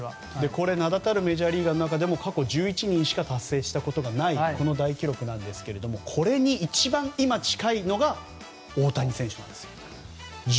名だたるメジャーリーガーの中でも過去１１人しか達成したことがない大記録なんですが今、これに一番近いのが大谷選手なんですよ。